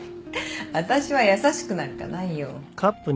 私は優しくなんかないよ。